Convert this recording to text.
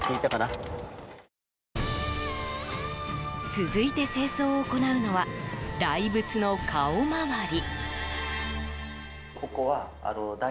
続いて清掃を行うのは大仏の顔周り。